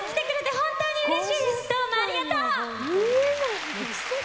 どうもありがとう。